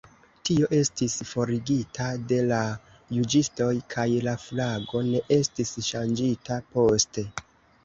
Tio estis forigita de la juĝistoj kaj la flago ne estis ŝanĝita poste.